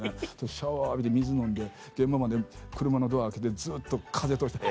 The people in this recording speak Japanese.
シャワー浴びて水飲んで現場まで車のドア開けてずっと風通してはぁ！